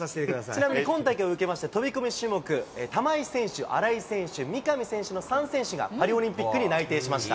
ちなみに、今大会を受けまして、飛び込み種目、玉井選手、荒井選手、三上選手の３選手がパリオリンピックに内定しました。